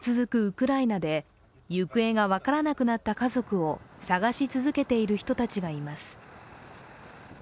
ウクライナで行方が分からなくなった家族を捜し続けている人たちがいます。